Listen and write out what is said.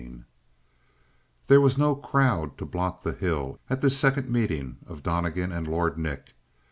42 There was no crowd to block the hill at this second meeting of Donnegan and Lord Nick.